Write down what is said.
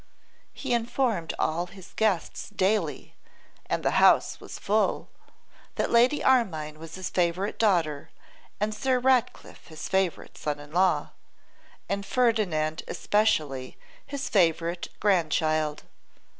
He informed all his guests daily (and the house was full) that Lady Armine was his favourite daughter, and Sir Ratcliffe his favourite son in law, and Ferdinand especially his favourite grandchild.